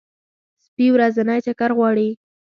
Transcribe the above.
سپي ورځنی چکر غواړي.